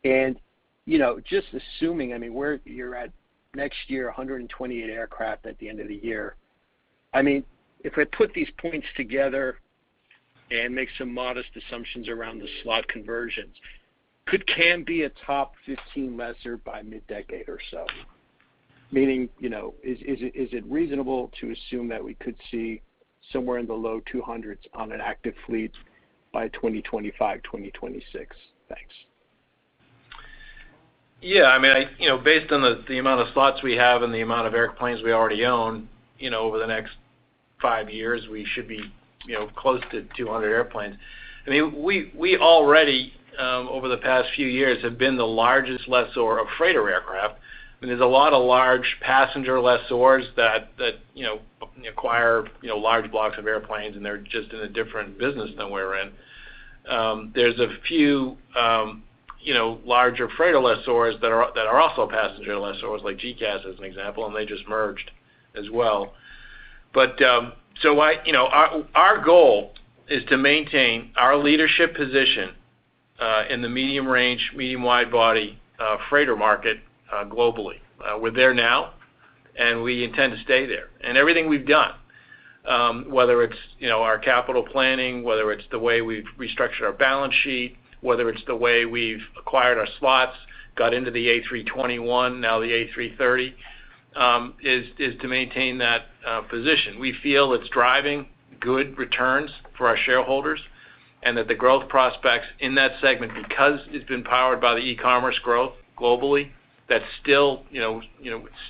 You know, just assuming, I mean, where you're at next year, 128 aircraft at the end of the year. I mean, if I put these points together and make some modest assumptions around the slot conversions, could CAM be a top 15 lessor by mid-decade or so? Meaning, you know, is it reasonable to assume that we could see somewhere in the low 200s on an active fleet by 2025, 2026? Thanks.
Yeah. I mean, you know, based on the amount of slots we have and the amount of airplanes we already own, you know, over the next five years, we should be, you know, close to 200 airplanes. I mean, we already, over the past few years, have been the largest lessor of freighter aircraft. I mean, there's a lot of large passenger lessors that, you know, acquire, you know, large blocks of airplanes, and they're just in a different business than we're in. There's a few, you know, larger freighter lessors that are also passenger lessors, like GECAS as an example, and they just merged as well. Our goal is to maintain our leadership position in the medium-range, medium-wide body freighter market globally. We're there now, and we intend to stay there. Everything we've done, whether it's, you know, our capital planning, whether it's the way we've restructured our balance sheet, whether it's the way we've acquired our slots, got into the A321, now the A330, is to maintain that position. We feel it's driving good returns for our shareholders, and that the growth prospects in that segment, because it's been powered by the e-commerce growth globally, that's still, you know,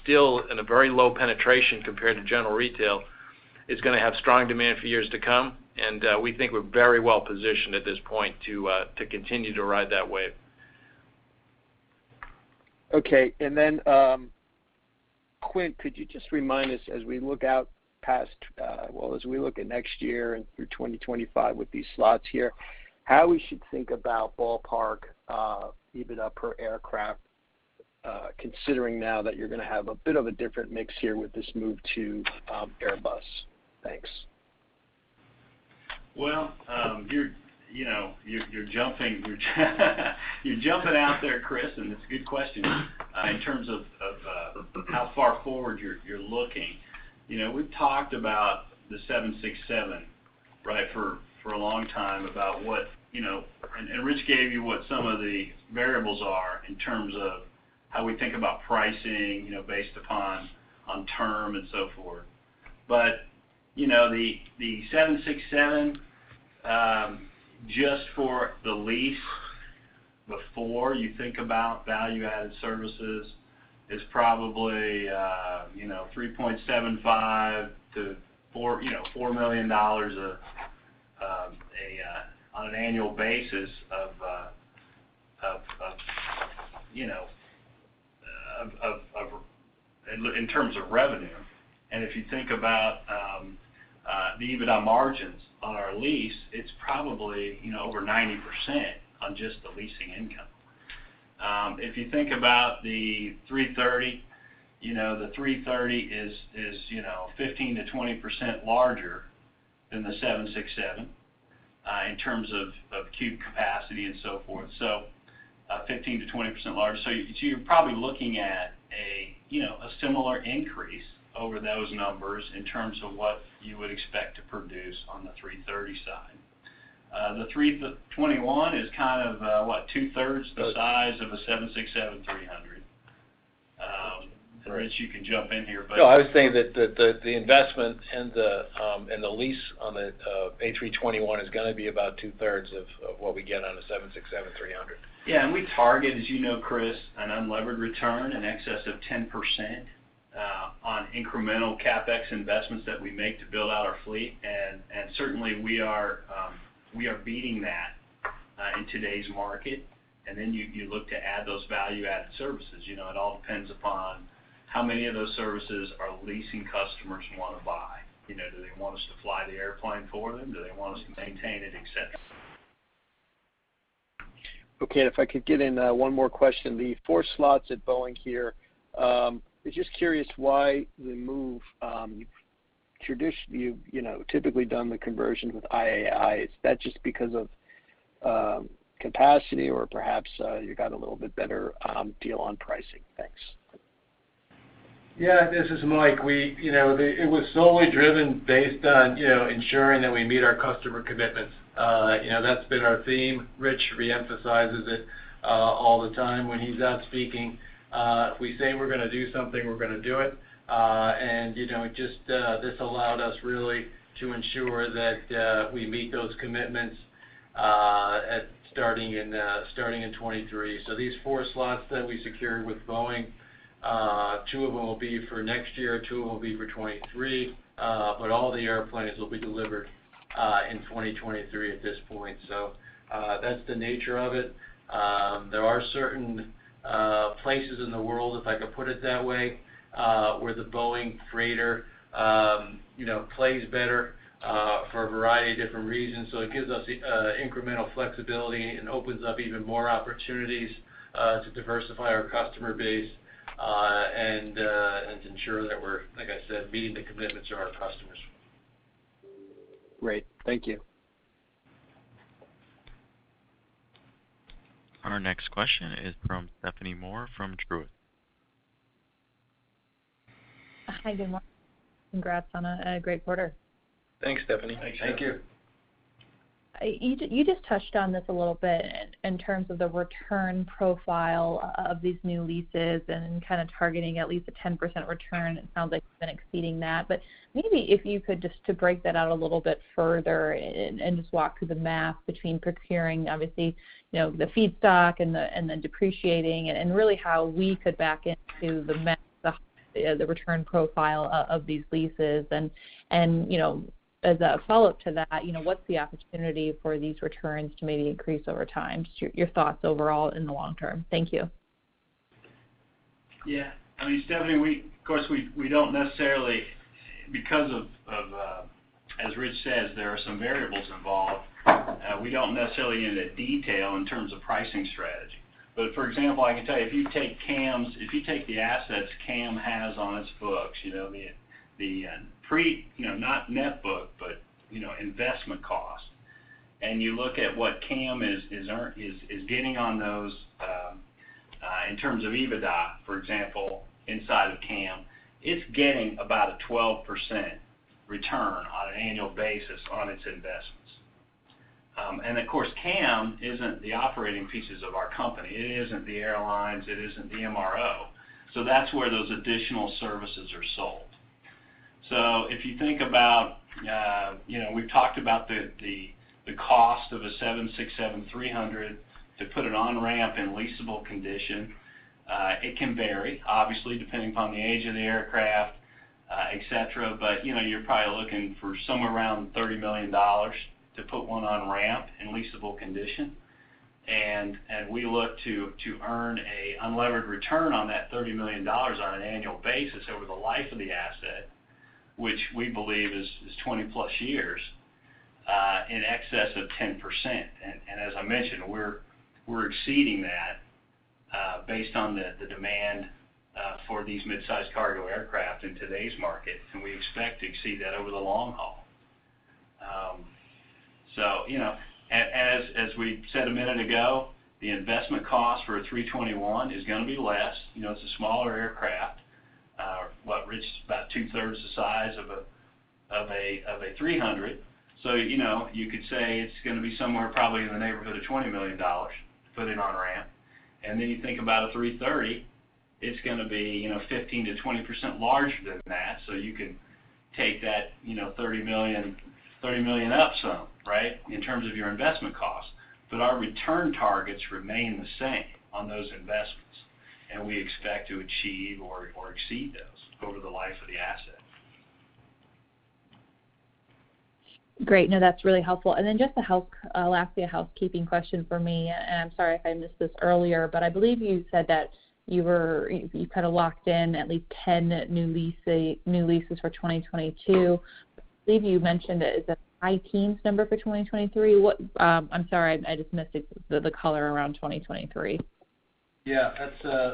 still in a very low penetration compared to general retail, is gonna have strong demand for years to come. We think we're very well-positioned at this point to continue to ride that wave.
Quint, could you just remind us as we look at next year and through 2025 with these slots here, how we should think about ballpark EBITDA per aircraft, considering now that you're gonna have a bit of a different mix here with this move to Airbus. Thanks.
Well, you know, you're jumping out there, Chris, and it's a good question, in terms of how far forward you're looking. You know, we've talked about the 767, right, for a long time about what, you know. Rich gave you what some of the variables are in terms of how we think about pricing, you know, based upon term and so forth. You know, the 767, just for the lease, before you think about value-added services, is probably, you know, $3.75 million-$4 million on an annual basis in terms of revenue. If you think about the EBITDA margins on our lease, it's probably, you know, over 90% on just the leasing income. If you think about the 330, you know, the 330 is, you know, 15%-20% larger than the 767 in terms of cube capacity and so forth. 15%-20% larger. You're probably looking at a, you know, a similar increase over those numbers in terms of what you would expect to produce on the 330 side. The 321 is kind of what 2/3 the size of a 767-300. Rich, you can jump in here, but
No, I would say that the investment and the lease on the A321 is gonna be about 2/3 of what we get on a 767-300. Yeah. We target, as you know, Chris, an unlevered return in excess of 10% on incremental CapEx investments that we make to build out our fleet. Certainly we are beating that in today's market, and then you look to add those value-added services. You know, it all depends upon how many of those services our leasing customers wanna buy. You know, do they want us to fly the airplane for them? Do they want us to maintain it, et cetera?
Okay. If I could get in one more question. The 4 slots at Boeing here, I'm just curious why the move. You've, you know, typically done the conversion with IAI. Is that just because of capacity, or perhaps you got a little bit better deal on pricing? Thanks.
Yeah, this is Mike. We, you know, it was solely driven based on, you know, ensuring that we meet our customer commitments. You know, that's been our theme. Rich re-emphasizes it all the time when he's out speaking. If we say we're gonna do something, we're gonna do it. And, you know, it just this allowed us really to ensure that we meet those commitments starting in 2023. These four slots that we secured with Boeing, two of them will be for next year, two of them will be for 2023. But all the airplanes will be delivered in 2023 at this point. That's the nature of it. There are certain places in the world, if I could put it that way, where the Boeing freighter, you know, plays better for a variety of different reasons. It gives us incremental flexibility and opens up even more opportunities to diversify our customer base, and to ensure that we're, like I said, meeting the commitments to our customers.
Great. Thank you.
Our next question is from Stephanie Moore from Truist.
Hi, good morning. Congrats on a great quarter.
Thanks, Stephanie.
Thanks you.
You just touched on this a little bit in terms of the return profile of these new leases and kind of targeting at least a 10% return. It sounds like you've been exceeding that. But maybe if you could just break that out a little bit further and just walk through the math between procuring, obviously, you know, the feedstock and the depreciating and really how we could back into the return profile of these leases. You know, as a follow-up to that, you know, what's the opportunity for these returns to maybe increase over time? Just your thoughts overall in the long term. Thank you.
Yeah. I mean, Stephanie, we, of course, don't necessarily get into detail in terms of pricing strategy because, as Rich says, there are some variables involved. For example, I can tell you, if you take the assets CAM has on its books, you know, not net book, but investment cost, and you look at what CAM is getting on those in terms of EBITDA, for example, inside of CAM, it's getting about a 12% return on an annual basis on its investments. Of course, CAM isn't the operating pieces of our company. It isn't the airlines, it isn't the MRO. That's where those additional services are sold. If you think about, you know, we've talked about the cost of a 767-300 to put it on ramp in leasable condition, it can vary, obviously, depending upon the age of the aircraft, et cetera. You know, you're probably looking for somewhere around $30 million to put one on ramp in leasable condition. We look to earn a unlevered return on that $30 million on an annual basis over the life of the asset, which we believe is 20+ years in excess of 10%. As I mentioned, we're exceeding that based on the demand for these midsize cargo aircraft in today's market, and we expect to exceed that over the long haul. You know, as we said a minute ago, the investment cost for a 321 is gonna be less. You know, it's a smaller aircraft. What, Rich? About 2/3 the size of a 300. You know, you could say it's gonna be somewhere probably in the neighborhood of $20 million to put it on ramp. You think about a 330, it's gonna be, you know, 15%-20% larger than that. You could take that, you know, $30 million or so, right, in terms of your investment cost. Our return targets remain the same on those investments, and we expect to achieve or exceed those over the life of the asset.
Great. No, that's really helpful. Then just a last housekeeping question for me, and I'm sorry if I missed this earlier, but I believe you said that you kind of locked in at least 10 new leases for 2022. I believe you mentioned that it's a high teens number for 2023. What, I'm sorry, I just missed the color around 2023.
Yeah.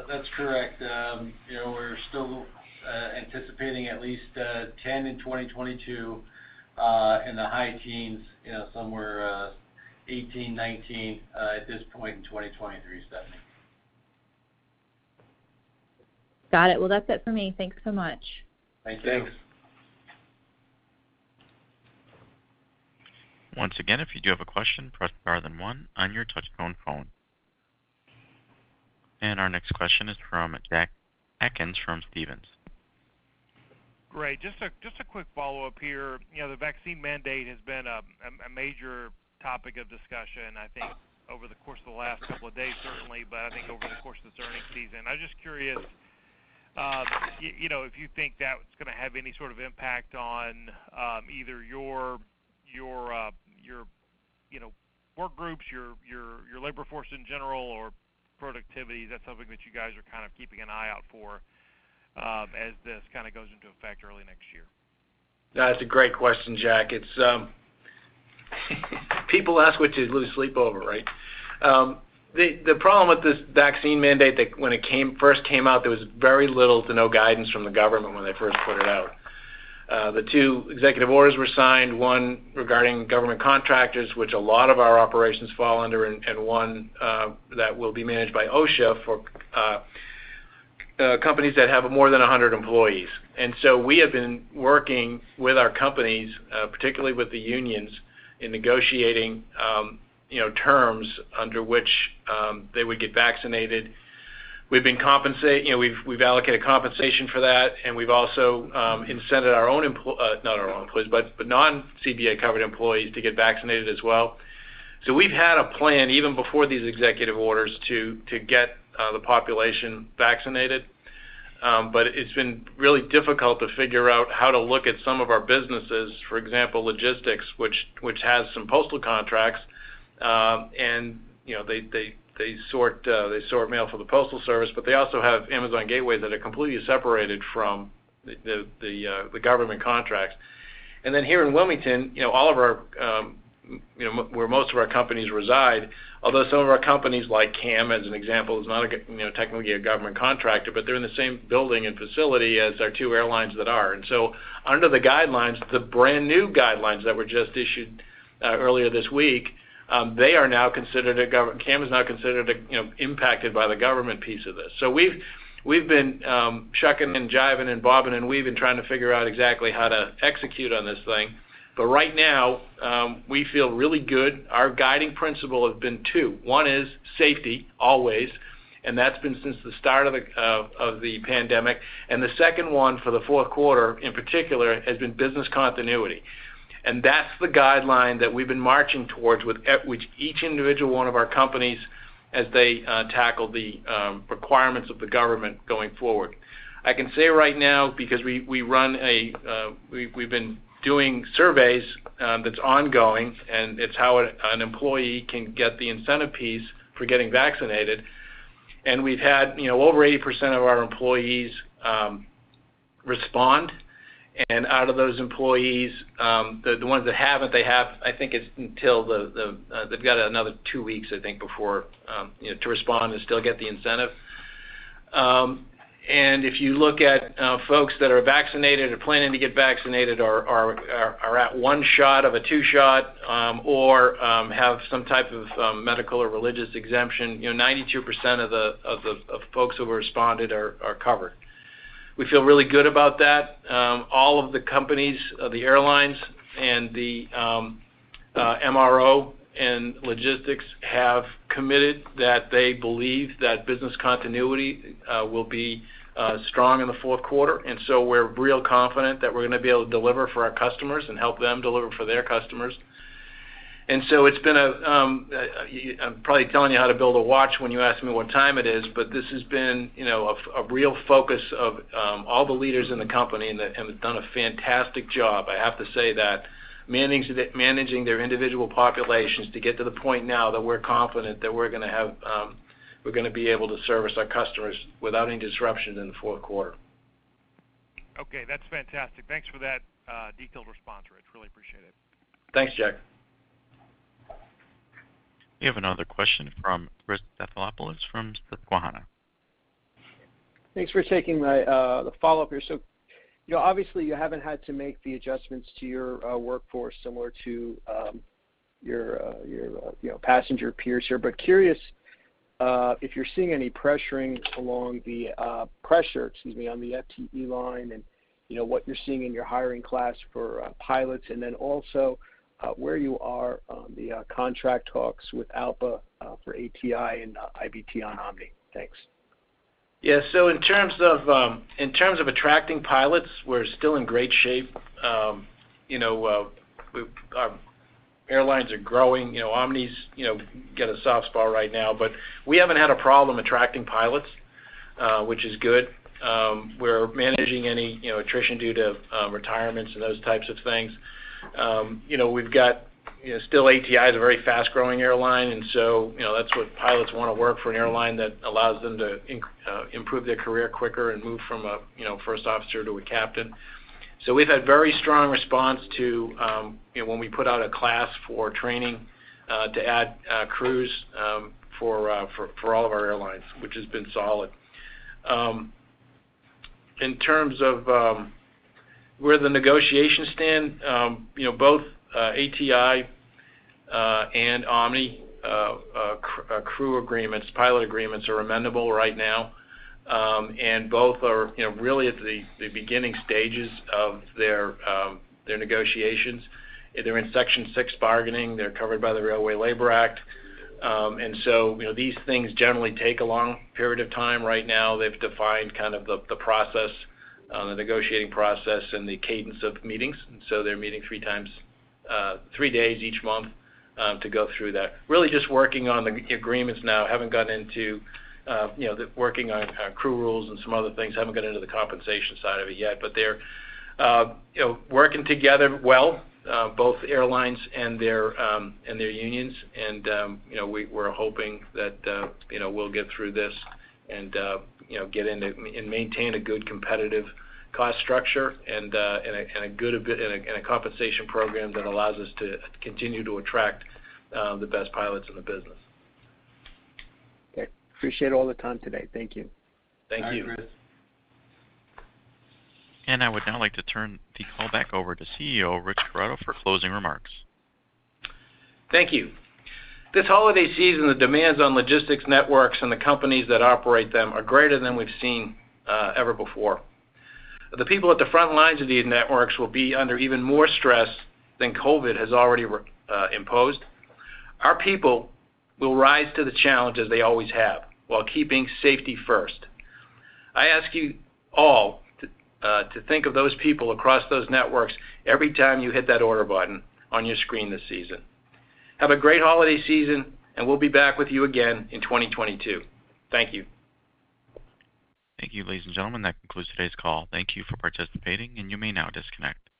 That's correct. You know, we're still anticipating at least 10 in 2022, in the high teens, you know, somewhere 18, 19 at this point in 2023, Stephanie.
Got it. Well, that's it for me. Thanks so much.
Thank you.
Thanks.
Once again, if you do have a question, press star then one on your touchtone phone. Our next question is from Jack Atkins from Stephens.
Great. Just a quick follow-up here. You know, the vaccine mandate has been a major topic of discussion, I think over the course of the last couple of days, certainly, but I think over the course of this earnings season. I'm just curious, you know, if you think that's gonna have any sort of impact on either your work groups, you know, your labor force in general or productivity. Is that something that you guys are kind of keeping an eye out for, as this kinda goes into effect early next year?
That's a great question, Jack. People ask what to lose sleep over, right? The problem with this vaccine mandate when it first came out, there was very little to no guidance from the government when they first put it out. The two executive orders were signed, one regarding government contractors, which a lot of our operations fall under, and one that will be managed by OSHA for companies that have more than 100 employees. We have been working with our companies, particularly with the unions in negotiating, you know, terms under which they would get vaccinated. You know, we've allocated compensation for that, and we've also incented, not our own employees, but non-CBA covered employees to get vaccinated as well. We've had a plan even before these executive orders to get the population vaccinated. It's been really difficult to figure out how to look at some of our businesses, for example, logistics, which has some postal contracts. You know, they sort mail for the postal service, but they also have Amazon gateway that are completely separated from the government contracts. Here in Wilmington, you know, all of our, you know, where most of our companies reside, although some of our companies like CAM, as an example, is not, you know, technically a government contractor, but they're in the same building and facility as our two airlines that are. Under the guidelines, the brand-new guidelines that were just issued earlier this week, they are now considered. CAM is now considered a, you know, impacted by the government piece of this. We've been shucking and jiving and bobbing, and we've been trying to figure out exactly how to execute on this thing. Right now, we feel really good. Our guiding principle have been two. One is safety, always, and that's been since the start of the pandemic. The second one for the fourth quarter, in particular, has been business continuity. That's the guideline that we've been marching towards with each individual one of our companies as they tackle the requirements of the government going forward. I can say right now because we run a we've been doing surveys that's ongoing and it's how an employee can get the incentive piece for getting vaccinated. We've had you know over 80% of our employees respond. Out of those employees the ones that haven't they have I think it's until the they've got another two weeks I think before you know to respond and still get the incentive. If you look at folks that are vaccinated or planning to get vaccinated or are at one shot of a two shot or have some type of medical or religious exemption you know 92% of the folks who responded are covered. We feel really good about that. All of the companies, the airlines and the MRO and logistics have committed that they believe that business continuity will be strong in the fourth quarter. We're real confident that we're gonna be able to deliver for our customers and help them deliver for their customers. It's been a, I'm probably telling you how to build a watch when you ask me what time it is, but this has been, you know, a real focus of all the leaders in the company and that have done a fantastic job. I have to say that. Managing their individual populations to get to the point now that we're confident that we're gonna have, we're gonna be able to service our customers without any disruption in the fourth quarter.
Okay, that's fantastic. Thanks for that, detailed response, Rich. Really appreciate it.
Thanks, Jack.
We have another question from Chris Stathoulopoulos from Susquehanna.
Thanks for taking the follow-up here. You know, obviously, you haven't had to make the adjustments to your workforce similar to your you know passenger peers here. Curious if you're seeing any pressure, excuse me, on the FTE line and you know what you're seeing in your hiring class for pilots, and then also where you are on the contract talks with ALPA for ATI and IBT on Omni. Thanks.
Yeah. In terms of attracting pilots, we're still in great shape. You know, our airlines are growing. You know, Omni's, you know, got a soft spot right now, but we haven't had a problem attracting pilots, which is good. We're managing any, you know, attrition due to, retirements and those types of things. You know, we've got, you know, still ATI is a very fast-growing airline, and so, you know, that's what pilots wanna work for an airline that allows them to improve their career quicker and move from a, you know, first officer to a captain. We've had very strong response to, you know, when we put out a class for training, to add crews, for all of our airlines, which has been solid. In terms of where the negotiations stand, you know, both ATI and Omni crew agreements, pilot agreements are amendable right now. Both are really at the beginning stages of their negotiations. They're in Section 6 bargaining. They're covered by the Railway Labor Act. You know, these things generally take a long period of time. Right now, they've defined kind of the process, the negotiating process and the cadence of meetings. They're meeting three times, three days each month, to go through that. Really just working on the agreements now. Haven't gotten into you know, the working on crew rules and some other things. Haven't got into the compensation side of it yet, but they're, you know, working together well, both airlines and their unions. We're hoping that, you know, we'll get through this and, you know, get into and maintain a good competitive cost structure and a good compensation program that allows us to continue to attract the best pilots in the business.
Okay. Appreciate all the time today. Thank you.
Thank you.
Bye, Chris.
I would now like to turn the call back over to CEO Rich Corrado for closing remarks.
Thank you. This holiday season, the demands on logistics networks and the companies that operate them are greater than we've seen ever before. The people at the front lines of these networks will be under even more stress than COVID has already reimposed. Our people will rise to the challenge as they always have while keeping safety first. I ask you all to think of those people across those networks every time you hit that order button on your screen this season. Have a great holiday season, and we'll be back with you again in 2022. Thank you.
Thank you, ladies and gentlemen. That concludes today's call. Thank you for participating, and you may now disconnect.